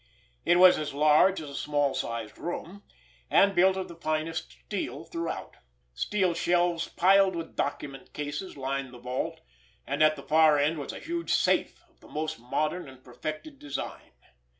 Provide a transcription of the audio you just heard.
It was as large as a small sized room, and built of the finest steel throughout. Steel shelves piled with document cases lined the vault, and at the far end was a huge safe of the most modern and perfected design.